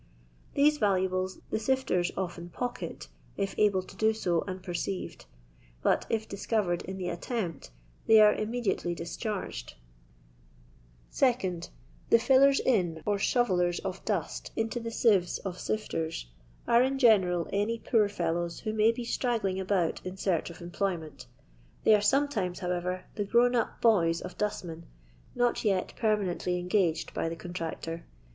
These valuables the sifters often pocket, if able to do so unperceived, but if discovered in the attempt, they are immediately discharged. I.,. LONDON LABOUR AND THE LONDON POOR. 2nd. "The fillert in," or tlioTellen of diut into the sieves of sifters, are in general any poor fellows who may be straggling about in seardi of employment. They are sometimes, howoYer, the grown ap boys of dustmen, not yet permanently engaged by the contractor.